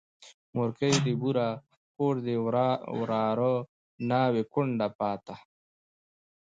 مورکۍ دي بوره، خور دي وراره، ناوې کونډه پاته